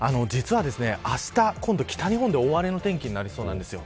あした、北日本で大荒れの天気になりそうです。